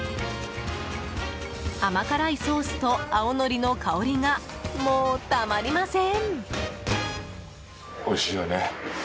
甘辛いソースと、青のりの香りがもうたまりません！